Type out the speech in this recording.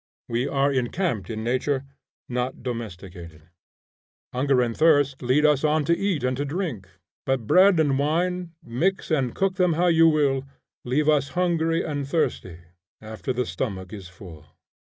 We are encamped in nature, not domesticated. Hunger and thirst lead us on to eat and to drink; but bread and wine, mix and cook them how you will, leave us hungry and thirsty, after the stomach is full.